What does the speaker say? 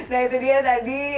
nah itu dia tadi